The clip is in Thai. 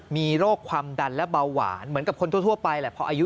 มีโรคความดันและเบาหวานเหมือนกับคนทั่วไปแหละพออายุ